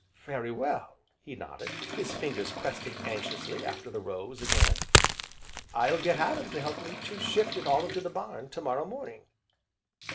"Very well," he nodded, his fingers questing anxiously after the rose again, "I'll get Adam to help me to shift it all into the barn, to morrow morning."